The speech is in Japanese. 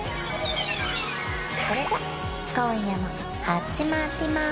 それじゃ今夜も始まります